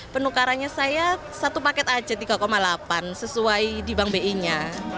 penukarannya saya satu paket aja tiga delapan sesuai di bank bi nya